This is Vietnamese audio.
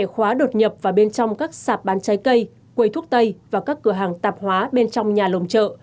khóa đột nhập vào bên trong các sạp bán trái cây quầy thuốc tây và các cửa hàng tạp hóa bên trong nhà lồng chợ